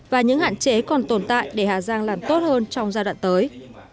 và những hạn chế còn tồn tại để hà giang làm tốt hơn trong giai đoạn tới